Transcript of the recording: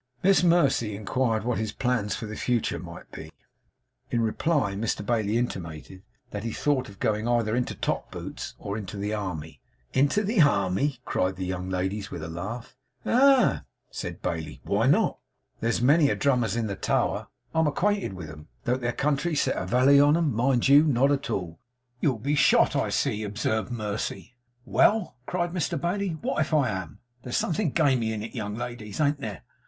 Miss Mercy inquired what his plans for the future might be; in reply to whom Mr Bailey intimated that he thought of going either into top boots, or into the army. 'Into the army!' cried the young ladies, with a laugh. 'Ah!' said Bailey, 'why not? There's a many drummers in the Tower. I'm acquainted with 'em. Don't their country set a valley on 'em, mind you! Not at all!' 'You'll be shot, I see,' observed Mercy. 'Well!' cried Mr Bailey, 'wot if I am? There's something gamey in it, young ladies, an't there?